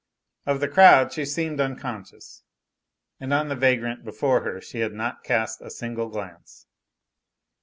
Of the crowd she seemed unconscious, and on the vagrant before her she had not cast a single glance.